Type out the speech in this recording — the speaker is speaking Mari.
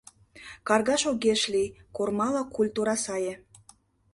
Каргаш огеш лий, кормалык культура сае.